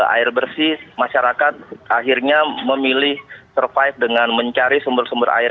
air bersih masyarakat akhirnya memilih survive dengan mencari sumber sumber air